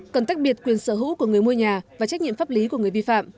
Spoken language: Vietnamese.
cần tách biệt quyền sở hữu của người mua nhà và trách nhiệm pháp lý của người vi phạm